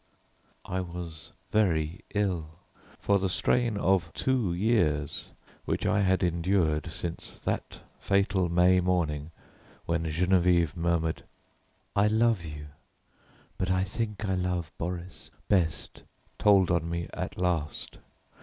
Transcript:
I was very ill, for the strain of two years which I had endured since that fatal May morning when Geneviève murmured, "I love you, but I think I love Boris best," told on me at last.